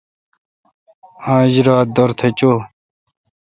آج را دورتھ چوی۔